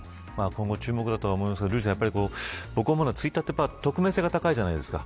今後、注目だと思いますが僕はツイッターは匿名性が高いじゃないですか。